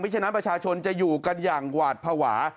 ฉะนั้นประชาชนจะอยู่กันอย่างหวาดภาวะ